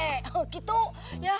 sakit hati gitu ya